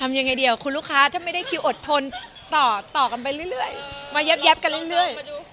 ยังไงเดียวคุณลูกค้าถ้าไม่ได้คิวอดทนต่อกันไปเรื่อยมาแยบกันเรื่อย